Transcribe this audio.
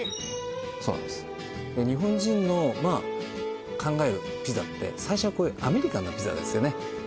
そうなんです日本人の考えるピザって最初はこういうアメリカンなピザですよね